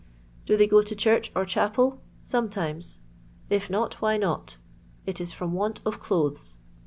Do they go to church or chapel >— Sometimes. If not, why not 1 —It is firom want of clothes.